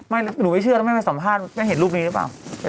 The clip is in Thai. ไม่หนูไม่เชื่อนะไม่ก็สัมภาษณ์มึงเห็นรูปนี้หรือเปล่า